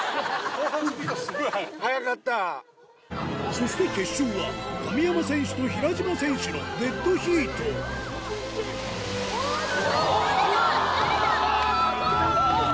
そして決勝は神山選手と平島選手のデッドヒートおぉ！